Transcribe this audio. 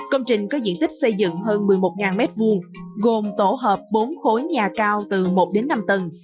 công trình có diện tích xây dựng hơn một mươi một m hai gồm tổ hợp bốn khối nhà cao từ một đến năm tầng